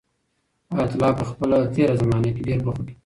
حیات الله په خپل تېره زمانه کې ډېر بوخت و.